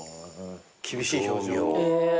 厳しい表情。